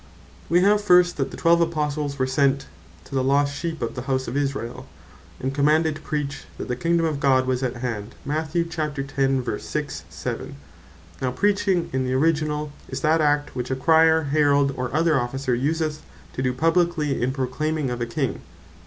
To Preach We have first (Mat. 10.) that the twelve Apostles were sent "to the lost sheep of the house of Israel," and commanded to Preach, "that the Kingdome of God was at hand." Now Preaching in the originall, is that act, which a Crier, Herald, or other Officer useth to doe publiquely in Proclaiming of a King.